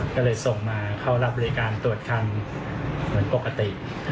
ก็เลยส่งมาเขารับบริการตรวจคันปกติ